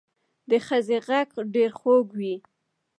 د ښځې غږ ډېر خوږ وي